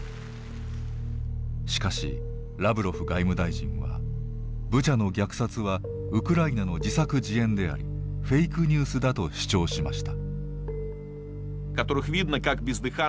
しかしラブロフ外務大臣はブチャの虐殺はウクライナの自作自演でありフェイクニュースだと主張しました。